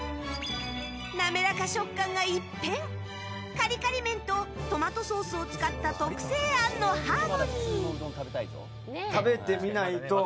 滑らか食感が一変カリカリ麺とトマトソースを使った特製あんのハーモニー。